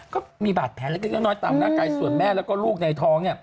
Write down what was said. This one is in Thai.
ก็มีบาดแผลเล็กน้อยตามร่างกายส่วนแม่แล้วก็ลูกในท้อง